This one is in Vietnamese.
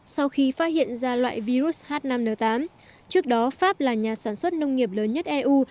sau khi phát hiện ra loại virus h năm n tám trước đó pháp là nhà sản xuất nông nghiệp lớn nhất eu